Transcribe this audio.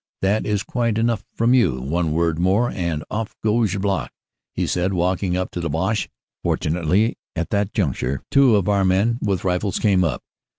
"That is quite enough from you; one word more and off goes your block," he said walking up to the Boche. Fortunately at that juncture two of our men with rifles came up.